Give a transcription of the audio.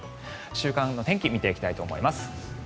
週間の天気見ていきたいと思います。